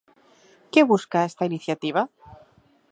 ¿Que busca esta iniciativa?